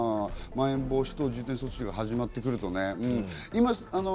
まん延防止等重点措置が始まってくるとね。